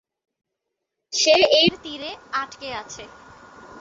সে এর তীরে আটকে আছে।